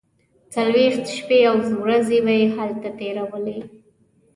څلوېښت شپې او ورځې به یې هلته تیرولې.